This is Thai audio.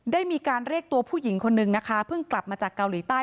ได้มีการเรียกตัวผู้หญิงคนนึงนะคะเพิ่งกลับมาจากเกาหลีใต้